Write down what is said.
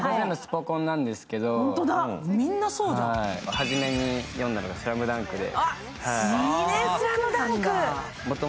初めに読んだのが「ＳＬＡＭＤＵＮＫ」で。